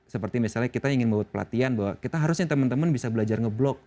seperti misalnya kita ingin membuat pelatihan bahwa kita harusnya teman teman bisa belajar nge blog